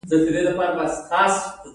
ځمکه د لمر شاوخوا ګرځي